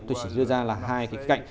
tôi chỉ đưa ra là hai cái cạnh